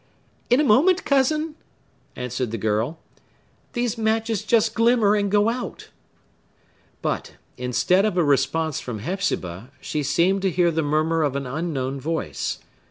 "In a moment, cousin!" answered the girl. "These matches just glimmer, and go out." But, instead of a response from Hepzibah, she seemed to hear the murmur of an unknown voice.